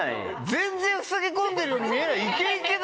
全然ふさぎ込んでいるように見えないイケイケだよ。